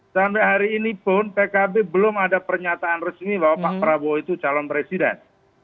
sampai hari ini pun pkb belum ada pernyataan resmi bahwa pak prabowo itu calon presiden